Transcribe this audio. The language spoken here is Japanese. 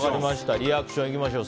リアクションいきましょう。